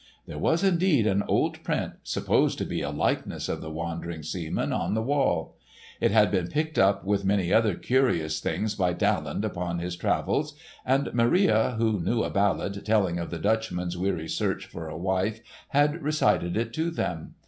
There was indeed an old print supposed to be a likeness of the wandering seaman, on the wall. It had been picked up with many other curious things by Daland upon his travels; and Maria who knew a ballad telling of the Dutchman's weary search for a wife had recited it to them.